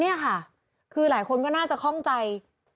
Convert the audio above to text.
นี่ค่ะคือหลายคนก็น่าจะคล่องใจ